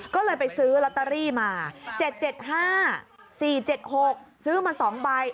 ก็เลยไปซื้อลอตเตอรี่มา๗๗๕๔๗๖ซื้อมา๒ใบ